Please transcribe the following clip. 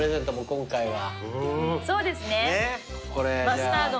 ［今回は］